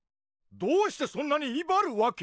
どうしてそんなにいばるわけ？